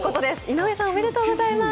井上さん、おめでとうございます。